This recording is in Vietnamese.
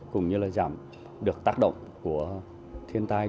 cũng như giảm được tác động của thiên tai